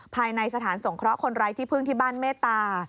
ภายในสถานสงเคราะห์คนไร้ที่พึ่งที่บ้านเมตตา